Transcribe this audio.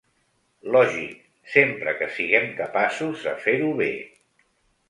Lògic, sempre que siguem capaços de fer-ho bé.